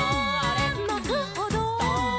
「まくほど」「」